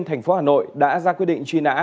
thành phố hà nội đã ra quyết định truy nã